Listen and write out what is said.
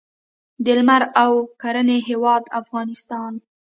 د لمر او کرنې هیواد افغانستان.